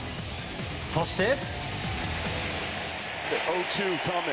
そして。